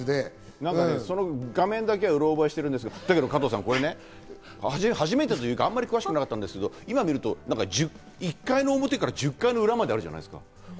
なんかね、その画面だけがうろ覚えしてるんだけど加藤さん、あまり詳しくなかったんだけど今見ると１回の表から１０回の裏まであるじゃないですか。